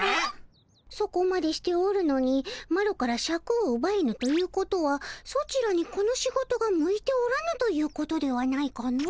そこまでしておるのにマロからシャクをうばえぬということはソチらにこの仕事が向いておらぬということではないかの？